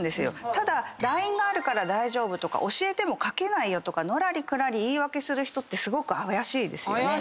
ただ「ＬＩＮＥがあるから大丈夫」とか「教えてもかけないよ」とかのらりくらり言い訳する人ってすごく怪しいですよね。